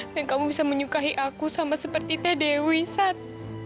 dan kamu bisa menyukai aku sama seperti tadewi sat